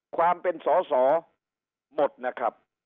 ความเป็นสอสอหมดนะครับ